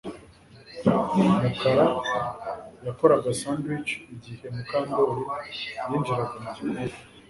Mukara yakoraga sandwich igihe Mukandoli yinjiraga mu gikoni